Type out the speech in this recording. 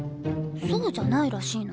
そうじゃないらしいの。